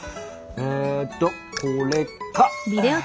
えとこれか！